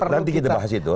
nanti kita bahas itu